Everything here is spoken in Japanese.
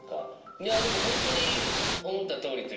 いやでもホントに思った通りというか。